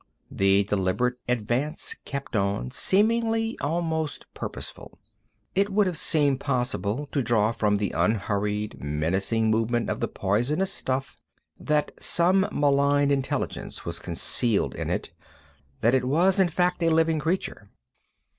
The deliberate advance kept on, seeming almost purposeful. It would have seemed possible to draw from the unhurried, menacing movement of the poisonous stuff that some malign intelligence was concealed in it, that it was, in fact, a living creature.